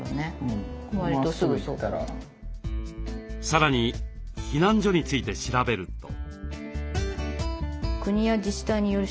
さらに避難所について調べると。